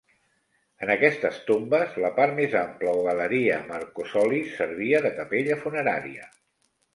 En aquestes tombes, la part més ampla o galeria amb arcosolis, servia de capella funerària.